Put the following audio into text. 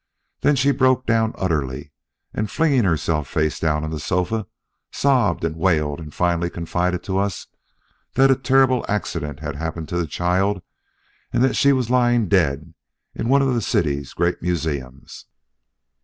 Then she broke down utterly and flinging herself face down on the sofa, sobbed and wailed and finally confided to us that a terrible accident had happened to the child and that she was lying dead in one of the city's great museums."